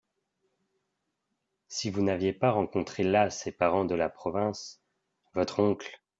Si vous n’aviez pas rencontré là ces parents de la province… votre oncle…